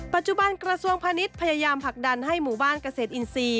ปัจจุบันกระทรวงพาณิชย์พยายามผลักดันให้หมู่บ้านเกษตรอินทรีย์